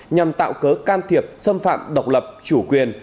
nhằm tạo cớ can thiệp xâm phạm độc lập chủ quyền